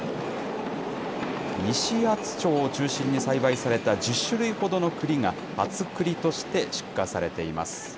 西厚保町を中心に栽培された１０種類ほどのくりが厚保くりとして出荷されています。